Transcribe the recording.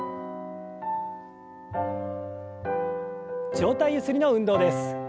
上体ゆすりの運動です。